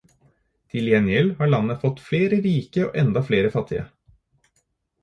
Til gjengjeld har landet fått flere rike og enda flere fattige.